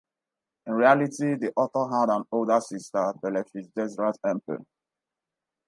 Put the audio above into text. In reality, the author had an older sister, Belle Fitzgerald Empey.